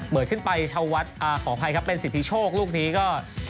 ขึ้นไปชาววัดขออภัยครับเป็นสิทธิโชคลูกนี้ก็